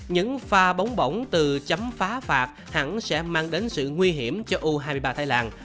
những pha bóng bỏng từ chấm phá phạt hẳn sẽ mang đến sự nguy hiểm cho u hai mươi ba thái lan